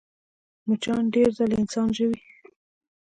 مچان ډېرې ځلې انسان ژوي